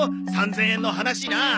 ３０００円の話なあ。